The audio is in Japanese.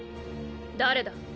誰だ？